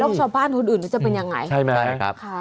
รองชาวบ้านพื้นอื่นจะเป็นอย่างไงใช่ไหม